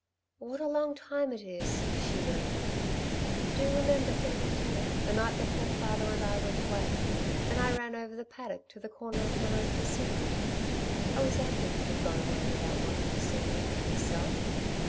"What a long time it is," she murmured. "Do you remember, Davey dear, the night before father and I went away, and I ran over the paddock to the corner of the road to see you? I was angry you had gone away without wanting to see me, yourself....